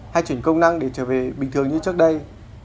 hay chỉnh công năng để trở về bình thường như trước đây